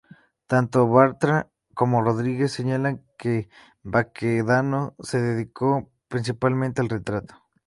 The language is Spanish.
Tanto Bartra como Rodríguez señalan que Baquedano se dedicó principalmente al retrato.